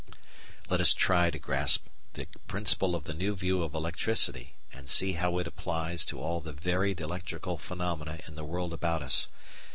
Let us try to grasp the principle of the new view of electricity and see how it applies to all the varied electrical phenomena in the world about us.